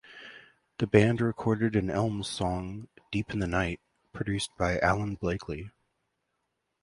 The band recorded an Elmes song, Deep In The Night, produced by Alan Blakely.